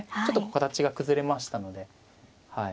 ちょっと形が崩れましたので。